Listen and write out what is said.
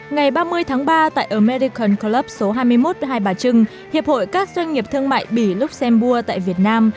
ngày ba mươi tháng ba tại ở medican club số hai mươi một hai bà trưng hiệp hội các doanh nghiệp thương mại bỉ luxembourg tại việt nam